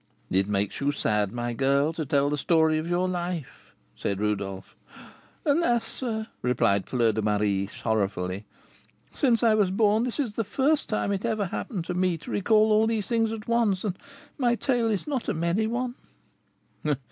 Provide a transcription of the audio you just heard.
"It makes you sad, my girl, to tell the story of your life," said Rodolph. "Alas! sir," replied Fleur de Marie, sorrowfully, "since I was born this is the first time it ever happened to me to recall all these things at once, and my tale is not a merry one."